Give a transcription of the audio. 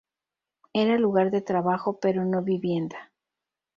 Era lugar de trabajo pero no vivienda.